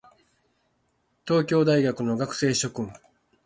東京大学の学生諸君